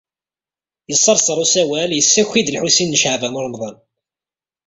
Yesserser usawal, yessaki-d Lḥusin n Caɛban u Ṛemḍan.